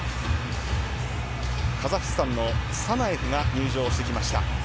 カザフスタンのサナエフが入場してきました。